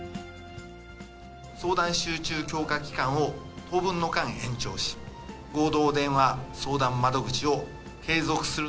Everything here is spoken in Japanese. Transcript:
相談集中強化期間を当分の間延長し、合同電話相談窓口を継続する。